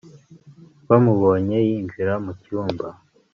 bamubonye yinjira mucyumba